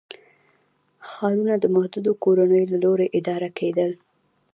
ښارونه د محدودو کورنیو له لوري اداره کېدل.